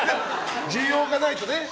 需要がないとね。